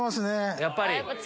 やっぱり。